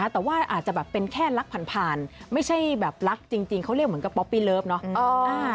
แต่ว่าอาจจะแบบเป็นแค่รักผ่านไม่ใช่แบบรักจริงเขาเรียกเหมือนกับป๊อปปี้เลิฟเนาะ